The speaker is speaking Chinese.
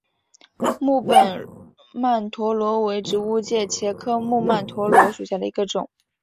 木本曼陀罗为植物界茄科木曼陀罗属下的一种。